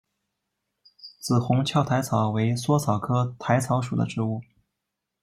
紫红鞘薹草为莎草科薹草属的植物。